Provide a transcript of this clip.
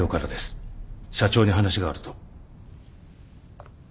社長に話があると。